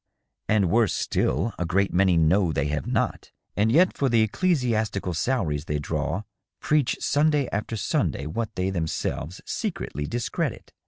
" And worse still, a great many know they have not, and yet for the ecclesiastical salaries they draw preach Sunday after Sunday what they themselves secretly discredit.